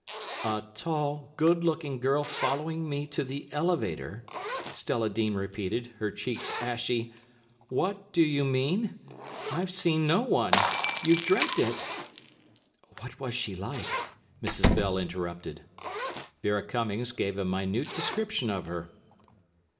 "A tall, good looking girl following me to the elevator," Stella Dean repeated, her cheeks ashy. "What do you mean? I've seen no one. You've dreamt it." "What was she like?" Mrs. Bell interrupted. Vera Cummings gave a minute description of her.